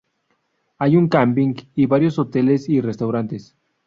Hay un camping y varios hoteles y restaurantes.